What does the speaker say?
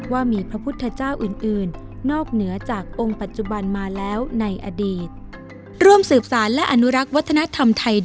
ว่ามีพระพุทธเจ้าอื่นนอกเหนือจากองค์ปัจจุบันมาแล้วในอดีต